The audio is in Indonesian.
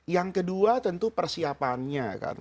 yang kedua tentu persiapannya